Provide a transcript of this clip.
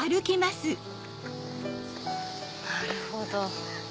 なるほど。